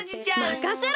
まかせろ！